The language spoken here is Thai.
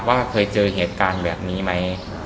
ว่าเคยเจอเหตุการณ์แบบนี้ไหม